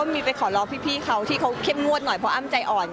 มีไปขอร้องพี่เขาที่เขาเข้มงวดหน่อยเพราะอ้ำใจอ่อน